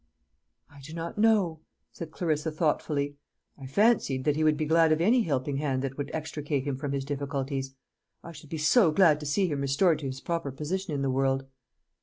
"I do not know," said Clarissa thoughtfully; "I fancied that he would be glad of any helping hand that would extricate him from his difficulties. I should be so glad to see him restored to his proper position in the world."